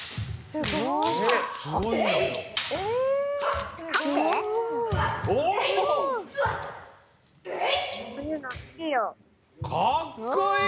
すごい。